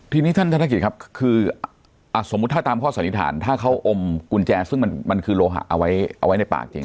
ทีนี้ท่านธนกิจครับคือสมมุติถ้าตามข้อสันนิษฐานถ้าเขาอมกุญแจซึ่งมันคือโลหะเอาไว้ในปากจริง